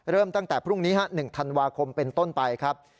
ตั้งแต่พรุ่งนี้๑ธันวาคมเป็นต้นไปครับ